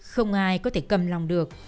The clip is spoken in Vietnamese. không ai có thể cầm lòng được